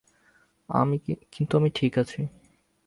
কিন্তু আমি ঠিক আছি।